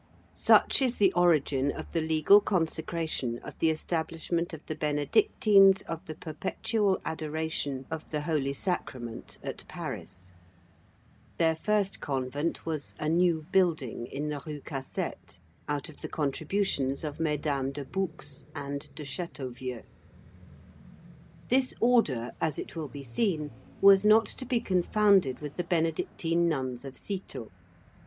Such is the origin of the legal consecration of the establishment of the Benedictines of the Perpetual Adoration of the Holy Sacrament at Paris. Their first convent was "a new building" in the Rue Cassette, out of the contributions of Mesdames de Boucs and de Châteauvieux. This order, as it will be seen, was not to be confounded with the Benedictine nuns of Cîteaux.